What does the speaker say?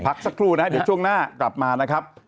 พักสักครู่นะฮะเดี๋ยวช่วงหน้ากลับมานะครับ